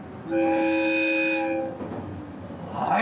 はい！